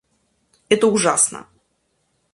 Это ужасно.